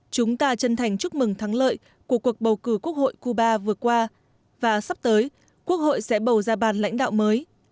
chúng ta chân thành chúc mừng thắng lợi của cuộc bầu cử quốc hội cuba vừa qua và sắp tới quốc hội sẽ bầu ra bàn lãnh đạo mới